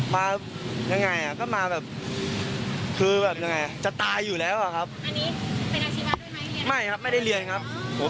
มายังไงก็มาแบบคือแบบยังไงจะตายอยู่แล้วครับ